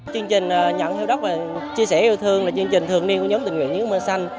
chương trình nhận heo đất và chia sẻ yêu thương là chương trình thường niên của nhóm tình nguyện những ước mơ xanh